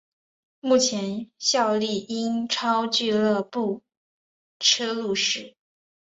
目前效力英超俱乐部车路士。